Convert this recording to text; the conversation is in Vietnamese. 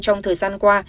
trong thời gian qua